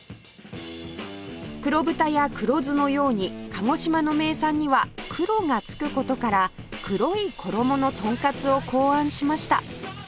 黒豚や黒酢のように鹿児島の名産には黒がつく事から黒い衣のトンカツを考案しました